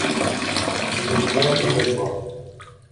Тигенгә түгел был